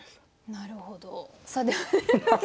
なるほど。